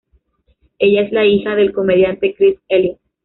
Ella es la hija del comediante Chris Elliott.